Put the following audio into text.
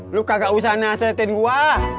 lo kagak usah nasehatin gue